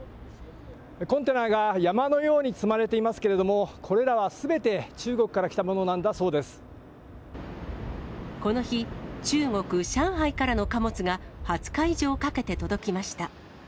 コンテナが山のように積まれていますけれども、これらはすべて、中国から来たものなんだそうこの日、中国・上海からの貨物が、２０日以上かけて届きました。